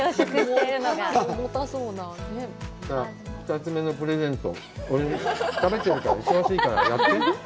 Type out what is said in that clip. さあ２つ目のプレゼント、食べているから忙しいから、やって？